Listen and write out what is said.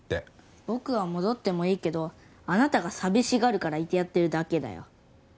僕は戻ってもいいけどあなたが寂しがるからいてやってるだけだよ。